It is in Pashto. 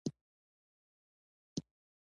انجمین کوتل پنجشیر ته ځي؟